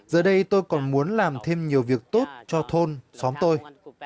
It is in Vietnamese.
giờ đây tôi còn muốn làm thêm nhiều việc tốt cho thôn xóm tôi